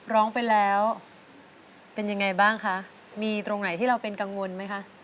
ร้องไปแล้วเป็นยังไงบ้างคะมีตรงไหนที่เราเป็นกังวลไหมคะ